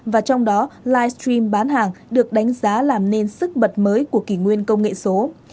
và trong đó livestream bán hàng được đánh giá làm nên sức bật mới của kỷ nguyên công nghệ số